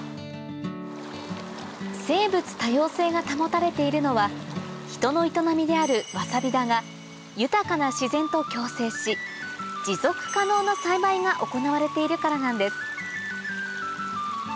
生物多様性が保たれているのは人の営みであるわさび田が豊かな自然と共生し持続可能な栽培が行われているからなんです